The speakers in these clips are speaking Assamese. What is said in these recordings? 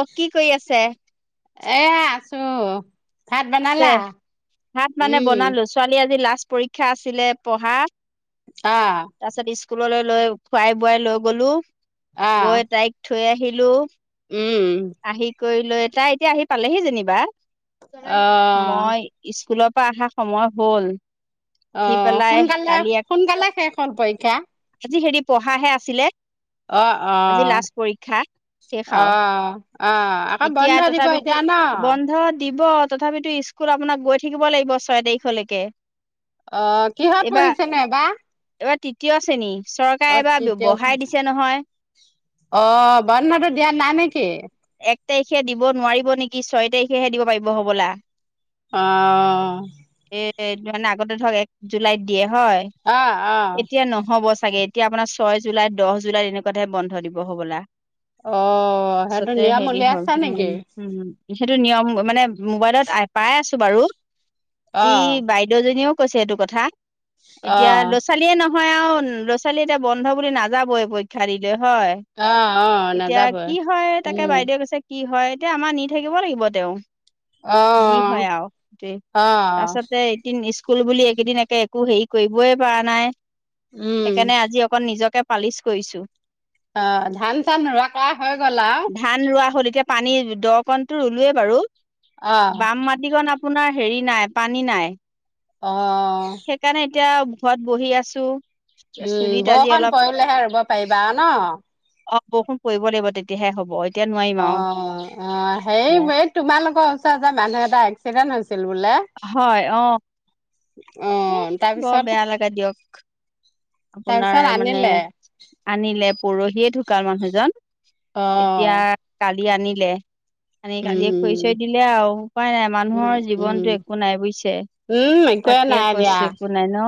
অ' কি কৰি আছে? এ আছো। ভাত আছে, বনালা ভাত মানে উম বনালো ছোৱালী আজি লাষ্ট পৰীক্ষা আছিলে পঢ়া। অ। তাৰ পাছত স্কুললৈ লৈ খোৱাই বোৱাই লৈ গলো, অ গৈ তাইক থৈ আহিলো। উম। আহি কৰি লৈ, তাই এতিয়া আহি পালেহি যেনিবা। অ মই স্কুলৰ পা আহা সময় হ'ল। আহি অ' পেলাই সোনকালে, কালি সোনকালে শেষ হ'ল পৰীক্ষা। আজি হেৰি পঢ়াহে আছিলে, অ অ আজি লাষ্ট পৰীক্ষা। শেষ অ আও, অ আকৌ এতিয়া বন্ধ দিব তথাপিতো, এতিয়া ন বন্ধ দিব। তথাপিতো স্কুল আপোনাক গৈ থাকিব লাগিব, ছয় তাৰিখলেকে। অ' কিহত পঢ়িছে নো এইবা? এইবাৰ তৃতীয় শ্ৰেণী, চৰকাৰে এইবাৰ তৃতীয় শ্ৰেণী। বঢ়াই দিছে নহয়। অ' বন্ধটো দিয়া নাই নেকি? এক তাৰিখে দিব নোৱাৰিব নেকি, ছয় তাৰিখেহে দিব পাৰিব হবলা। অ। এ মানে আগতে ধৰক এক জুলাইত দিয়ে হয়, অ অ এতিয়া নহব। চাগে এতিয়া আপোনাৰ ছয় জুলাই, দহ জুলাই এনেকুৱাতহে বন্ধ দিব হ'বলা। অ সেইটো পিছতে নিয়ম হেৰি হ'ল উলিয়াইছা নেকি উম' হম'। হেতু নিয়ম মানে মোবাইলত পাই আছো বাৰু, অ যি বাইদ দও জনীয়ো কৈছে এইটো কথা, অ এতিয়া ল'ৰা ছোৱালীয়ে ন ল'ৰা ছোৱালী এতিয়া বন্ধ বুলি নাযাবই পৰীক্ষা দিলে হয়। অ অ এতিয়া নাযাবই কি হয় তাকে উম বাইদেৱে কৈছে, কি হয় এতিয়া আমাৰ নি থাকিব লাগিব তেও। যি অ হয় আৰু সেইটোৱে, অ তাৰছতে দিন স্কুল বুলি এইকেইদিন একে একো হেৰি কৰিবই পৰা নাই, উম সেইকাৰণে আজি অকন নিজকে পালিচ কৰিছো। অ' ধান চান ৰোৱা কৰা হৈ গ'ল আও? ধান ৰোৱা হ'ল, এতিয়া পানী দ কণটো ৰুলোৱে বাৰু। অ বাম মাটিকণ আপোনাৰ হেৰি নাই, পানী নাই। অ। সেইকাৰণে এতিয়া ঘৰত বহি আছো। উম' চুলিত আজি বৰষুণ অলপ পৰিলেহে ৰুব পাৰিবা আৰু ন? অ' বৰষুণ পৰিব লাগিব, তেতিয়াহে হ'ব। এতিয়া নোৱাৰিম আৰু অ' অ' হেৰি সেয়া এই তোমালোকৰ ওচৰত যে মানুহ এটা এক্সিডেণ্ট হৈছিল বোলে? হয়' অ। অ এ বৰ তাৰপিছত বেয়া লাগে দিয়ক, আপোনাৰ তাৰপিছত মানে আনিলে আনিলে পৰহিয়ে ঢুকাল মানুহজন। অ এতিয়া কালি আনিলে, আনি কালিয়ে খৰি উম চৰি দিলে আৰু, উপায় নাই উম মানুহৰ উম জীৱনটো একো নাই বুইছে উম একোৱে তাকে নাই দিয়া কৈছে একো নাই ন,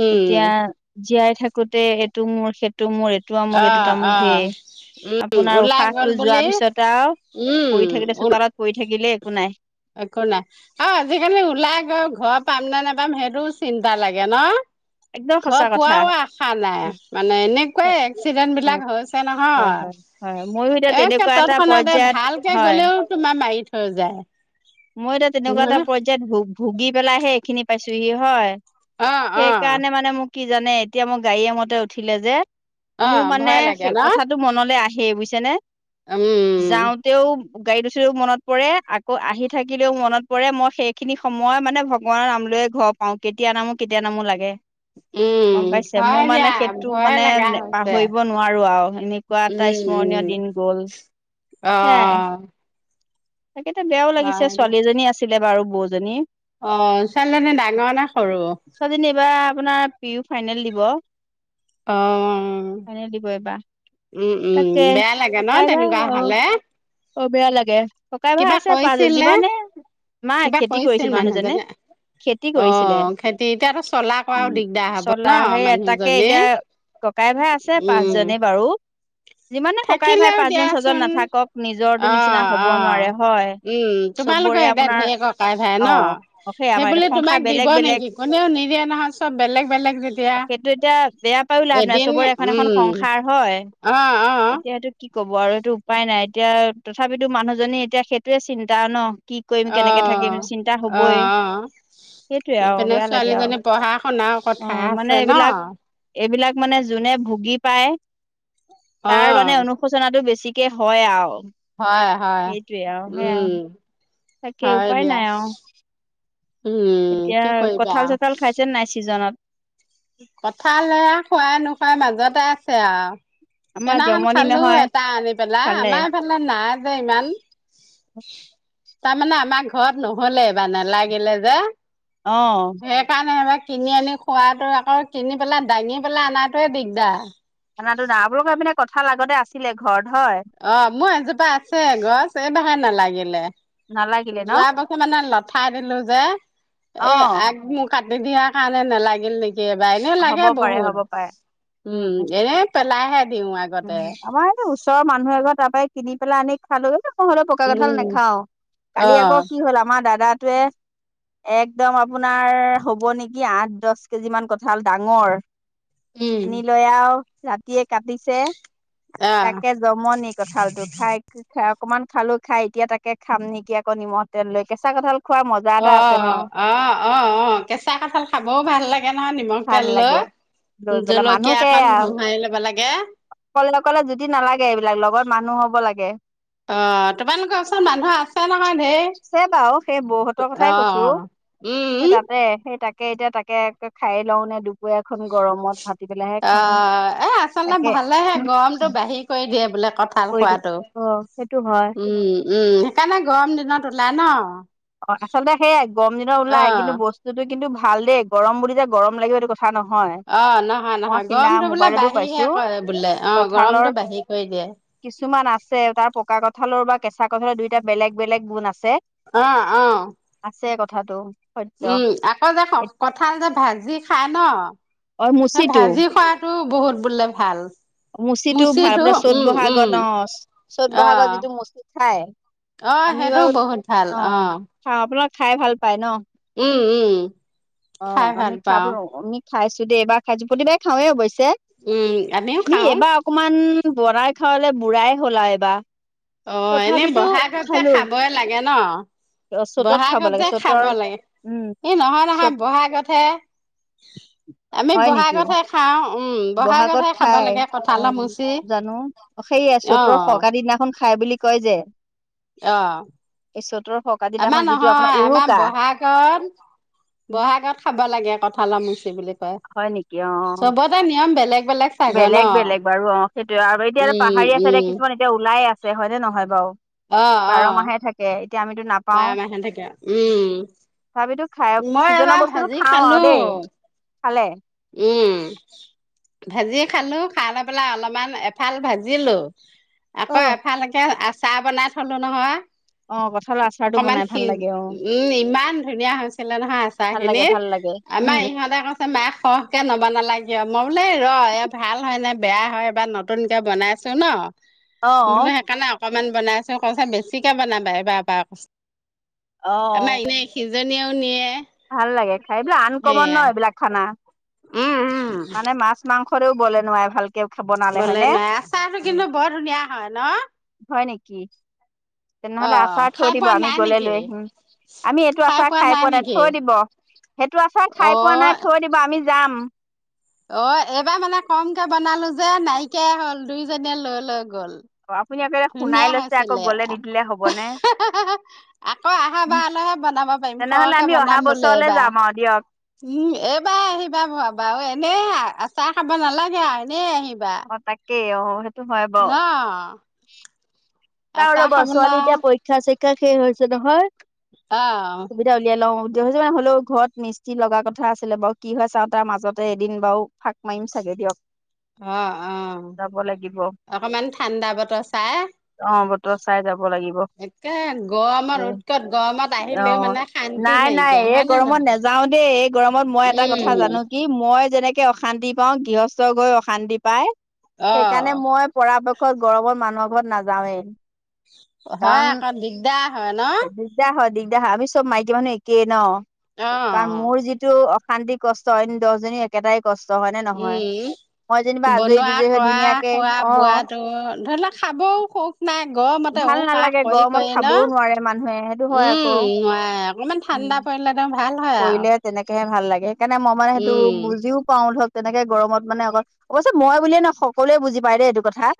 উম এতিয়া জীয়াই থাকোতে এইটো মোৰ সেইটো মোৰ এইটো আমুক অ এইটো তামুক অ ধে উম আপোনাৰ ওলাই উশাহটো গ'ল বুলি যোৱাৰ পিছত আৰু পৰি থাকিলে উম চোতালত পৰি থাকিলে একো নাই। একো নাই। অ'আজিকালি ওলাই গৈ ঘৰ পাম নে নেপাম সেইটোও চিন্তা লাগে ন? একদম ঘৰ সঁচা কথা পোৱাও আশা নাই মানে এনেকুৱাই হয় এক্সিডেন্ট বিলাক হৈছে হয় হয় ময়ো এতিয়া নহয়। একে তেনেকুৱা এটা তৎক্ষণাতে পৰ্যায়ত ভালকে হয় গ'লেও তোমাৰ মাৰি থৈ যাই। মই এতিয়া তেনেকুৱা এটা পৰ্যায়ত ভু-ভুগি পেলাইহে এইখিনি পাইছোহি হয়। অ অ সেই কাৰণে মানে মোক কি জানে এতিয়া মই গাড়ীয়ে মতে উঠিলে যে অ মোৰ মানে ভয় লাগে সে ন কথাটো মনলৈ আহেই বুইছে নে? উম, যাওঁতেও গাড়ীত উঠিলেও মনত পৰে আকৌ আহি থাকিলেও মনত পৰে মই সেইখিনি সময় মানে ভগৱানৰ নাম লৈয়ে ঘৰ পাওঁ কেতিয়া নামো, কেতিয়া নামো লাগে। উম গম পাইছে হয় মোৰ দিয়া মানে সেইটো ভয়ে মানে লগা নে হৈছে পাহৰিব নোৱাৰো আৰু এনে এনেকুৱা এটা উম স্মৰণীয় উম দিন গ'ল। অ', তাকে এতিয়া বেয়াও লাগিছে হয় ছোৱালীজনী আছিলে বাৰু বৌজনী। অ'ছোৱালী জনি ডাঙৰ নে সৰু? জনি ইবাৰ আপোনাৰ পিউ ফাইনেল দিব। অ', ফাইনেল দিব এইবাহ উম, উম বেয়া লাগে ন' তেনেকুৱা হ'লে? অ'বেয়া লাগে ককাই -ভাই কিবা আছে [unintelligible] কৈছিল নে? যিমানে নাই কিবা খেতি কৈছিল কৰিছিল মানুহজনে। খেতি কৰিছিলে অ' খেতি এতিয়াতো চলা কৰাও উম, দিগদাৰ হ'ব ন চলা সেইয়া তাকে মানুহজনী এতিয়া ককাই -ভাই আছে উম পাঁচজনেই বাৰু যিমানে ককাই-ভাই পাছজন, ছয়জন নাথাকক নিজৰটো নিচিনা হ'ব নোৱাৰে হয় অ'অ'উম, তোমালোকৰ চবৰে একে আপোনাৰ ধেৰ ককাই -ভাই অ ন? সেই আমাৰ সেইবুলি এতিয়া সংসাৰ তোমাক দিব বেলেগ বেলেগ নেকি? কোনেও নিদিয়ে নহয় চব বেলেগ, বেলেগ যেতিয়া। টো এতিয়া বেয়া পায়ও লাভ নাই চবৰে এখন, এখন সংসাৰ হয়। অ'অ'অ' এতিয়া সেইটো কি ক'ব আৰু এইটো উপায় নাই এতিয়া তথাপিতো মানুহজনী এতিয়া সেইটোয়ে চিন্তা ন'। কি কৰিম অ' কেনেকে থাকিম চিন্তা অ' হ'বয়ে। অ' সেইটোৱে আৰু ইপিনে বেয়া লাগে আৰু ছোৱালীজনী পঢ়া শুনাও কথা অ' মানে আছে ন এইবিলাক এইবিলাক মানে যোনে ভুগি পায় তাৰ মানে অ' অনু সুচনা টো বেছিকে হয় আও। হয়, হয় সেইটোয়ে আও সেয়াই উম, তাকে হয় উপায় দিয়া। নাই আও উম, কি কৰিবি আওঁ তে নাই ছিজনত। কঁঠাল এয়া খোৱা -নোখোৱা মাজতে আছে আওঁ। আমাৰ সেইদিনাখন জমনি খালোঁ নহয় এটা আনি পেলাই খালে আমাৰ এইফালে নাই যে ইমান। [inaudible] তাৰমানে আমাৰ ঘৰত নহ'লে এইবাৰ নেলাগিলে যে। অ', [unintelligible] এবাৰ কিনি আনি খোৱাতো আকৌ কিনি পেলাই দাঙি পেলাই অনাটোৱে দিগদাৰ। [unintelligible] সেই পিনে কঁঠাল আগতে আছিলে ঘৰত হই? অ'মোৰ এজোপা আছে গছ এই বাৰ হে নালাগিলে। নালাগিলে ন যোৱা বছৰ মানে লঠাই দিলো যে অ এই আগম কাটি দিয়াৰ কাৰণে নালাগিল নেকি এইবাৰ, এনে হ'ব লাগে পাৰে হ'ব পাৰে বহুত উম এনে পেলাইহে দিও উম আমাৰ এটো ওচৰৰ মানুহ এ ঘৰ তাৰ পৰাই কিনি পেলাই আনি খালোগৈ। হ'লেও পকা কঁঠাল উম নাখাও, কালি আকৌ অ', কি হ'ল আমাৰ দাদাটোৱে একদম আপোনাৰ হ'ব নেকি আঠ-দহ কেজি মান কঁঠাল ডাঙৰ উম, আনিলৈ আৰু ৰাতিয়ে কাটিছে আহ, তাকে জমনি কঁঠালটো খাই অকনমান খালো খাই এতিয়া তাকে খাম নেকি আকৌ নিমখ তেল লৈ কেঁচা কঁঠাল খোৱাৰ মজা এটা আছে ন অ-অ-অ-অ কেঁচা কঠাল খাবও ভাল লাগ তাকে নহয় নিমখ ভাল তেল লৈ, লাগে লৈ পেলাই জলকীয়া অকন ভঙাই ল'ব লাগে অকলে-অকলে যুটি নালাগে এইবিলাক, লগত মানুহ হ'ব লাগে। অ তোমালোকৰ ওচৰত মানুহ আছে নহয় ধেৰ। আছে বাৰু, সেই বৌহঁতৰ কথাই কৈছো। অ', উম, সেই উম, তাতে সেই তা তাকে এতিয়া তাকে খাই লওঁ নে দু দুপৰীয়া এখন গৰমত ভাটি পেলাইহে খাওঁ, অ', তাকে। কৈ দিয়ে বোলে কঁঠাল কৰি দি খোৱাটো, অ সেইটো হয় উম। উম, সেইকাৰণে গৰম দিনত ওলাই ন। অ আচলতে সেয়াই, গৰম দিনত ওলাই। কিন্তু অ', বস্তুটো কিন্তু ভাল দেই, গৰম বুলি যে গৰম লাগিব এইটো কথা কথা নহয়, অ', নহয়, মই নহয় সিদিনা গৰমটো বোলে মোবাইলতো বাঢ়িহে পাইছো কৰে বোলে অ', কঠালৰ গৰমটো বাঢ়ি কৰি দিয়ে। কিছুমান আছে তাৰ পকা কঁঠালৰ বা কেঁচা কঁঠালৰ দুটা বেলেগ-বেলেগ গুণ আছে। অ অ। আছে কথাটো। সত্য উম আকৌ যে কঠাল যে ভাজি খাই ন, অ সেই মুচিটো ভাজি খোৱাত টো বহুত বুলে ভাল। মুচিটো [unintelligible] চ'ত উম উম বহাগত, অ চ'ত অ বহাগত যিটো মুচি খাই অ আমি সেইটো বাৰু বহুত ভাল, অ। অ আপোনালাক খাই ভাল পায় ন'? উম, উম। অ খাই ভাল আমি পাওঁ খাবো, আমি খাইছো দে এইবাৰ খাইছো, প্ৰতিবাই খাওৱে অৱশ্যে তে, উম আমিও তুমি খাওঁ এবাৰ অকমান বনাই খুৱালে বুঢ়াই হ'ল এবাৰ। অ এনেই তথাপিতো বহাগত যে খালো খাবই লাগে ন। চ'তত খাব বহাগত লাগে যে খাব চ'তৰ লাগে। উম এই নহয়-নহয় চ'ত বহাগতহে, আমি হয় নেকি বহাগতে বহাগত খাই অ কঁঠালৰ মুচি জানো, সেইয়া অ চ'তৰ ফৰকা দিনা খন খাই বুলি কয় যে অ, চ'তৰ ফৰকাতি দিনাখন আমাৰ যিটো আপোনাৰ নহয়, আমাৰ উৰুকা বহাগ ত, বহাগত খাব লাগে কঠালৰ মুচি বুলি কয়। হয় নেকি অ, চবতে নিয়ম বেলেগ বেলেগ চাগৈ ন বেলেগ-বেলেগ বাৰু অ সেইটোয়ে, আৰু এতিয়া আৰু উম পাহাৰীয়া চাইডে উম কিছুমান এতিয়া ওলাই আছে, হয়নে নহয় বাৰু? অ অ বাৰ মাহে থাকে এতিয়া আমিতো না বাৰ মাহে থাকে উম। তথাপিতো খাই, মই চিজনৰ এবাৰ বস্তুটো ভাজি খাওঁ খালো আৰু দেই, খালে। উম। ভাজিয়ে খালো, খাই লৈ পেলাই অলপমান এফাল ভাজিলো। আকৌ অ এফালকে, আচাৰ বনাই থলো নহয়। অ কঁঠালৰ আচাৰটো অকমান বনাই সি, ভাল লাগে অ উম, ইমান ধুনীয়া হৈছ নহয় ভাল আচাৰখিনি, লাগে ভাল লাগে উম আমাৰ ইহঁতে কৈছে মা', সৰহকে নবানালা কিয়? মই বোলো এ ৰ', এয়া ভাল হয়নে বেয়া হয় এবাৰ ন তুনকে বনাইছো ন'? অ বোলো সেইকাৰণে অকনমান বনাইছো, কৈছে বেছিকে বনাবা এইবাৰপা [unintelligible] অ আমাৰ এনেই, সিজনীয়েও নিয়ে। ভাল লাগে খাই এইটো আনকমন সেয়া ন' এইবিলাক খানা উম উম মানে মাছ মাংসৰেও বলে নোৱাৰে ভাল বোলে নোৱাৰে আচাৰটো কিন্তু বৰ ধুনীয়া হয় ন? হয় নেকি? অ তেনেহলে আচাৰ থৈ খাই দিব পোৱা আমি নাই গলে নেকি লৈ আহিম, আমি এইটো আচাৰ খাই পোৱা নাই থৈ দিব সেইটো আচাৰ খাই পোৱা অ নাই থৈ দিব আমি যাম। অ এইবাৰ মানে কমকে বনালো যে নাইকিয়াই হ'ল দুইজনীয়ে লৈ লৈ গল। অ আপুনি এ কেলে শুনাই ধুনীয়া লৈছে আকৌ হৈছিলে। গলে নিদিলে হবনে? আকৌ আহা বাৰলৈহে বনাব পাৰিম তেনেহলে খৰকে আমি অহা বনাম বোলে বছৰলে এইবাৰ। যাম আৰু দিয়ক উম এইবাৰ আহিবা ভ বাৰু এনে আচাৰ খাব নালাগে আৰু এনেই আহিবা। অ তাকেই অ সেই ন। চাও আচাৰ ৰব খাবলে ছোৱালী এতিয়া পৰীক্ষা চৰিক্ষা শেষ হৈছে নহয়। অ। সুবিধা উলিয়াই লওঁ [unintelligible] হ'লেও ঘৰত মিস্ত্ৰী লগা কথা আছিলে বাৰু কি হয় চাওঁ তাৰ মাজতে এদিন বাৰু ফা মাৰিম চাগে দিয়ক। অ অ, যাব লাগিব অকমান ঠাণ্ডা বতৰ চাই। অ বতৰ চাই যাব লাগিব একে গৰমত এ উৎকত, গৰমত অ আহিলেও মানে শান্তি নাই নাই নাইকিয়া হয় এই নে গৰমত নহয়? নাযাও দেই, এই গৰমত মই এটা কথা উম, জানো কি মই যেনেকে অশান্তি পাওঁ, গৃহস্থ গৈ অশান্তি পাই অ' সেইকাৰণে মই পৰাপক্ষত গৰমৰ মানুহৰ ঘৰত নাযাওঁয়ে। হয় আকৌ দিগদাৰ হয় ন? দিগদাৰ হয় দিগদাৰ হয়, আমি চব মাইকী মানুহ একেই ন কাৰণ অ', মোৰ যিটো অ শান্তি কষ্ট অইন দহজনী একেটাই কষ্ট হয় নে নহয়? উম মই যেনিবা আজৰি বনোৱা বিজৰি হৈ কৰা ধুনীয়াকে খোৱা অ। বোৱাটো ধৰি লওক খাবও সুখ নাই গৰমতে ভাল উশাহ নালাগে কৰি গৰমত কৰি ন, খাবও নোৱাৰে মানুহে সেইটো হয় আকৌ। উম নোৱাৰে। অকমান উম, ঠাণ্ডা পৰিলে দেম ভাল হয়। আৰু কৰিলে তেনেকেহে ভাল লাগে সেইকাৰণে মই মানে সেইটো উম বুজিও পাওঁ ধৰক তেনেকে গৰমত মানে অক অৱশ্যে মই বুলিয়ে ন সকলোৱে বুজি পাই দেই এইটো কথা।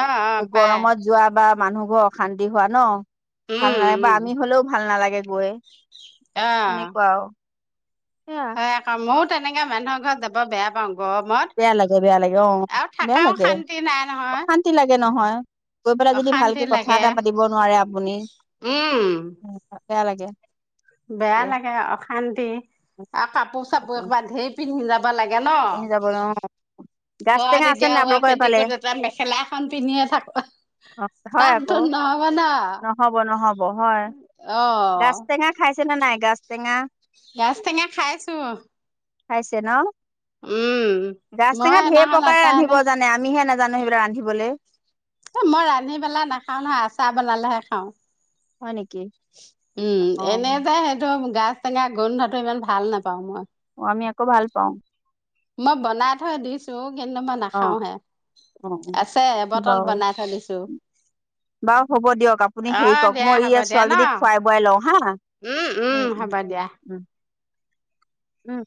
অ অ পাই গৰমত যোৱা বা মানুহবোৰ অশান্তি হোৱা ন। ভাল উম নালাগে বা উম আমি হলেও ভাল নালাগে গৈ। অ। [unintelligible] সেই কা, ময়ো তেনেকে মানুহৰ ঘৰত যাব বেয়া পাওঁ গৰমত। বেয়া লাগে বেয়া লাগে অ আৰু বেয়া থাকাও লাগে, শান্তি নাই নহয় অশান্তি লাগে নহয়। গৈ পেলাই যদি অশান্তি ভালকে কথা লাগে এটা পাতিব নোৱাৰে আপুনি, উম ওম। বেয়া লাগে। বেয়া লাগে অশান্তি আৰু কাপোৰ চাপোৰ এহুপা ধেৰ পিন্ধি যা ব লাগে ন। পিন্ধি যাব ন গাজ টেঙা ঘৰত আছে এতিয়া নে হোৱা আপোনালোকৰ এইফালে পেটিকুট এটা মেখেলা এখন পিন্ধিয়ে থাকো। অঁ হয় তাততো আকৌ, নহব ন নহব নহব হয়, অ গাছ টেঙা খাইছে নে নাই গাছ টেঙা? গাছ টেঙা খাইছোঁ। খাইছে ন। উম। গাছ টেঙা মই ঢেৰ সেইদিনাখন প্ৰকাৰে এটা ৰান্ধিব এনে জানে, আমিহে নাজানো সেইবিলাক ৰান্ধিবলে। এ মই ৰান্ধি পেলাই নাখাওঁ নহয়, আচাৰ বনালেহে খাওঁ। হয় নি উম, এনেই যে সেইটো গাজ টেঙা গোন্ধটো ইমান ভাল নেপাওঁ মই। অঁ আমি আকৌ ভাল পাওঁ। মই বনাই থৈ দিছো কিন্ত মা অ নাখাওঁ হে, অ অ আছে এবটল বাৰু বনাই থৈ দিছো। বাৰু হ'ব দিয়ক, আপুনি অ হেৰি কৰক দিয়া মই হ'ব এইয়া দিয়া ছোৱালীজনীক ন খোৱাই বোৱাই লওঁ হা। উম উম হ'ব দিয়া। উম।